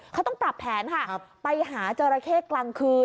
เขาต้องปรับแผนค่ะไปหาจราเข้กลางคืน